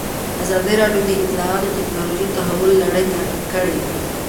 ازادي راډیو د اطلاعاتی تکنالوژي د تحول لړۍ تعقیب کړې.